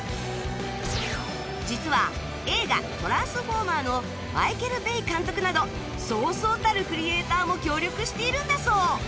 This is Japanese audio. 実は映画『トランスフォーマー』のマイケル・ベイ監督などそうそうたるクリエイターも協力しているんだそう